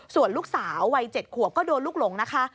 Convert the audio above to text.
ส่วนลูกสาววัย๗ขวบก็โดนลูกหลงนะคะ